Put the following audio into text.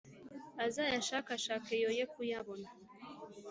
azayashakashake yoye kuyabona